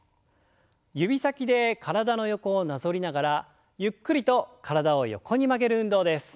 指先で体の横をなぞりながらゆっくりと体を横に曲げる運動です。